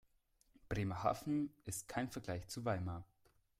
Bremerhaven ist kein Vergleich zu Weimar